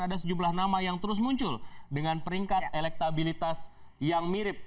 ada sejumlah nama yang terus muncul dengan peringkat elektabilitas yang mirip